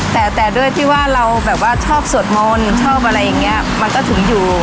แต่แต่ด้วยที่ว่าเราแบบว่าชอบสวดมนต์ชอบอะไรอย่างนี้มันก็ถึงอยู่